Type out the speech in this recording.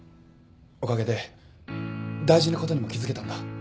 おかげで大事なことにも気付けたんだ